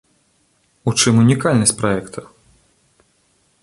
У чым унікальнасць праекта?